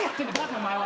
お前は。